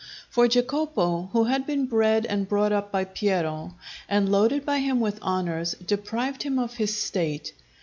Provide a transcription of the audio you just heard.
For Jacopo, who had been bred and brought up by Piero, and loaded by him with honours, deprived him of his State.